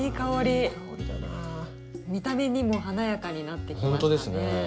見た目にも華やかになってきましたね。